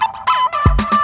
kau mau kemana